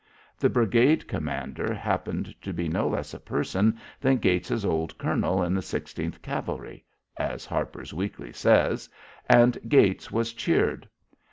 The brigade commander happened to be no less a person than Gates's old colonel in the "Sixteenth Cavalry" as HARPER'S WEEKLY says and Gates was cheered.